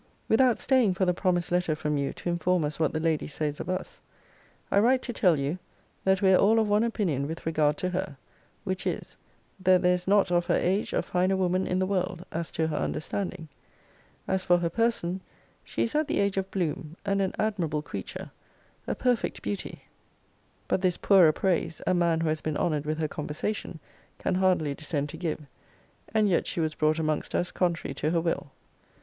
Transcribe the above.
Without staying for the promised letter from you to inform us what the lady says of us, I write to tell you, that we are all of one opinion with regard to her; which is, that there is not of her age a finer woman in the world, as to her understanding. As for her person, she is at the age of bloom, and an admirable creature; a perfect beauty: but this poorer praise, a man, who has been honoured with her conversation, can hardly descend to give; and yet she was brought amongst us contrary to her will.